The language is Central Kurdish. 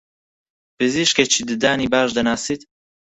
پزیشکێکی ددانی باش دەناسیت؟